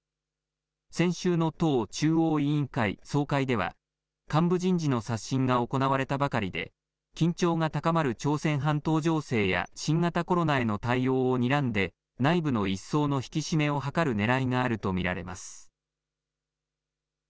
先週の党中央委員会総会では、幹部人事の刷新が行われたばかりで、緊張が高まる朝鮮半島情勢や新型コロナへの対応をにらんで、内部の一層の引き締めを図るねらいがあると見られます。